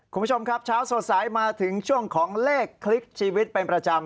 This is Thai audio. คุณผู้ชมครับเช้าสดใสมาถึงช่วงของเลขคลิกชีวิตเป็นประจำ